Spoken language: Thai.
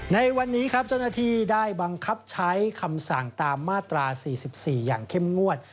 ในวันนี้ครับเจ้าหน้าที่ได้บังคับใช้คำสั่งตามมาตรา๔๔อย่างเข้มงวด